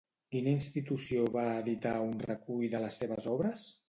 Quina institució va editar un recull de les seves obres?